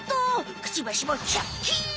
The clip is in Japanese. クチバシもシャキーン！